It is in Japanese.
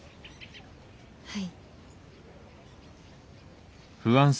はい。